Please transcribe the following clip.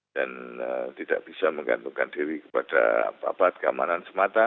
dan tidak bisa menggantungkan diri kepada apa apa keamanan semata